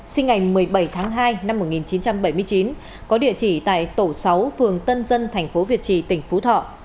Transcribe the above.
sinh ngày một mươi bảy tháng hai năm một nghìn chín trăm bảy mươi chín có địa chỉ tại tổ sáu phường tân dân thành phố việt trì tỉnh phú thọ